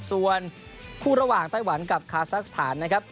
ส่วนคู่ระหว่างไต้หวันกับคาซักสถานนะครับ